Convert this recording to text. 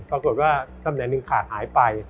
ปรากฏว่าตำแหน่งหนึ่งขาดหายไป